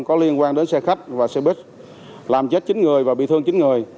có liên quan đến xe khách và xe buýt làm chết chín người và bị thương chín người